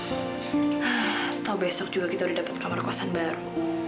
atau besok juga kita udah dapet kamar kuasa baru